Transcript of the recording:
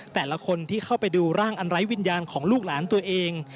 แต่ละคนที่เข้าไปดูร่างอันไร้วิญญาณของลูกหลานตัวเอง